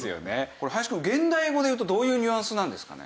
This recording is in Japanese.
これ林くん現代語でいうとどういうニュアンスなんですかね？